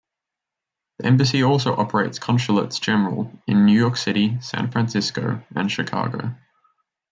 The embassy also operates Consulates-General in New York City, San Francisco, and Chicago.